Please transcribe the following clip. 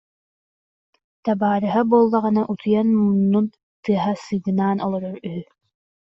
Табаарыһа буоллаҕына утуйан муннун тыаһа сыыгынаан олорор үһү